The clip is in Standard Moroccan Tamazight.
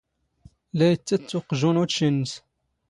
ⵍⴰ ⵉⵜⵜⴻⵜⵜ ⵓⵇⵊⵓⵏ ⵓⵜⵜⵛⵉ ⵏⵏⵙ.